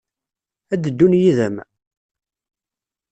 Ad d-ddun yid-m?